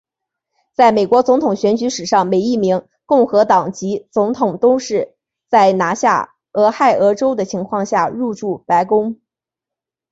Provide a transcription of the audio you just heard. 在美国总统选举史上每一名共和党籍总统都是在拿下俄亥俄州的情况下入主白宫。